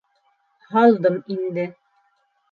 Һалдым инде.